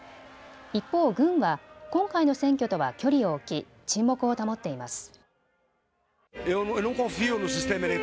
一方、軍は今回の選挙とは距離を置き、沈黙を保っています。